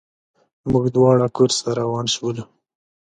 موږ دواړه کورس ته روان شولو.